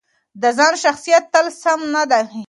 د ځان تشخیص تل سم نه وي.